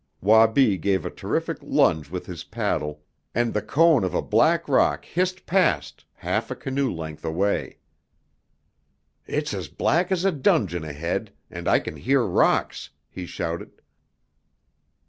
Wabi gave a terrific lunge with his paddle and the cone of a black rock hissed past half a canoe length away. "It's as black as a dungeon ahead, and I can hear rocks!" he shouted.